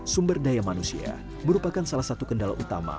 sumber daya manusia merupakan salah satu kendala utama